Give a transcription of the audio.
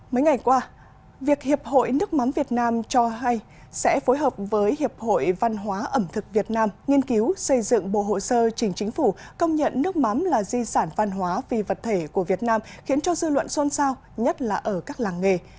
mấy ngày qua việc hiệp hội nước mắm việt nam cho hay sẽ phối hợp với hiệp hội văn hóa ẩm thực việt nam nghiên cứu xây dựng bộ hội sơ trình chính phủ công nhận nước mắm là di sản văn hóa phi vật thể của việt nam khiến cho dư luận xôn xao nhất là ở các làng nghề